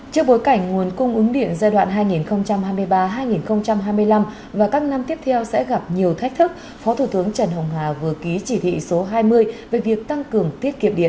trước bối cảnh nguồn cung ứng điện giai đoạn hai nghìn hai mươi ba hai nghìn hai mươi năm và các năm tiếp theo sẽ gặp nhiều thách thức phó thủ tướng trần hồng hà vừa ký chỉ thị số hai mươi về việc tăng cường tiết kiệm điện